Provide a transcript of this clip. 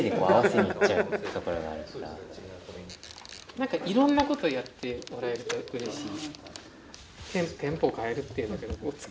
なんかいろんなことやってもらえるとうれしい。